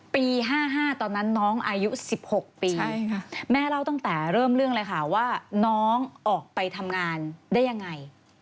ปี๕๕ตอนนั้นน้องอายุ๑๖ปีแม่เล่าตั้งแต่เริ่มเรื่องเลยค่ะว่าน้องออกไปทำงานได้ยังไง